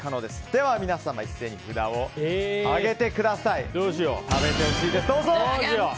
では、皆さん一斉に札を上げてください。